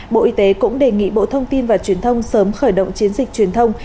bộ y tế cũng đề nghị bộ thông tin và truyền thông sớm khởi động chiến dịch truyền thông